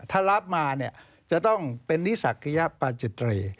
ถ้ารับมาเนี่ยจะต้องเป็นนิสักขยปาจิตรี